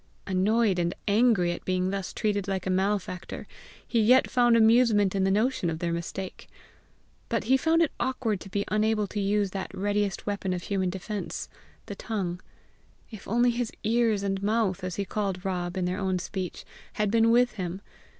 Annoyed and angry at being thus treated like a malefactor, he yet found amusement in the notion of their mistake. But he found it awkward to be unable to use that readiest weapon of human defence, the tongue. If only his EARS AND MOUTH, as he called Rob in their own speech, had been with him!